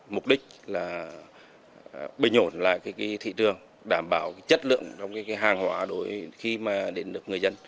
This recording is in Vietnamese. mục đích là bình ổn lại thị trường đảm bảo chất lượng trong hàng hóa đối với khi mà đến được người dân